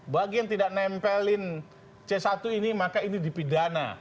bagi yang tidak nempelin c satu ini maka ini dipidana